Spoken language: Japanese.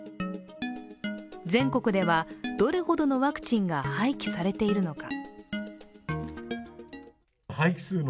全国ではどれほどのワクチンが廃棄されているのか。